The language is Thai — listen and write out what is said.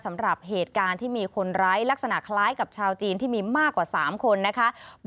สำหรับเหตุการณ์ที่มีคนร้ายลักษณะคล้ายกับชาวจีนที่มีมากกว่า๓คนนะคะ